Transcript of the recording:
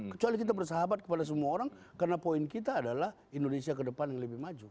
kecuali kita bersahabat kepada semua orang karena poin kita adalah indonesia ke depan yang lebih maju